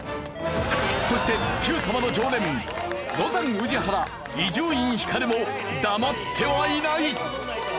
そして『Ｑさま！！』の常連ロザン宇治原伊集院光も黙ってはいない。